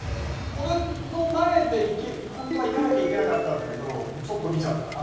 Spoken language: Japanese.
これの前でホントはいかなきゃいけなかったんだけどちょっと見ちゃった。